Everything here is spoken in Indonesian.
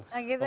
nah gitu ya